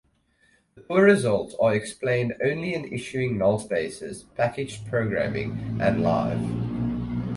The poor results are explained only in issuing nullspaces packaged programming and live.